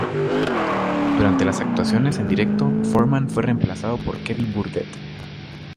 Durante las actuaciones en directo Foreman fue reemplazado por Kevin Burdett.